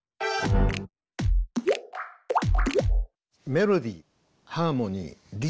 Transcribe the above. メロディーハーモニーリズム。